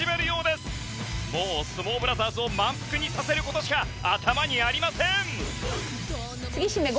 もう相撲ブラザーズを満腹にさせる事しか頭にありません。